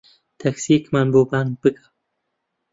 تەکسییەکمان بۆ بانگ بکە.